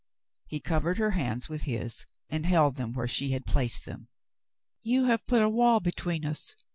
He covered her hands with his, and held them where she had placed them. "You have put a wall between us.